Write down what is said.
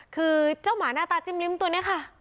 คือเจ้าหมาหน้าตาจิ้มลิ้มตัวนี้ค่ะ